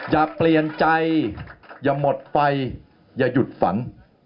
อย่าเปลี่ยนใจอย่าหมดไปอย่าหยุดฝัน